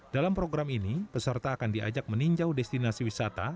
dalam program ini peserta akan diajak meninjau destinasi wisata